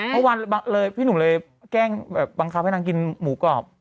พอวันเลยพี่หนุ่มแกล้งบังคับให้นางกินหมูกรอบ